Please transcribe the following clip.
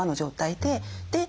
で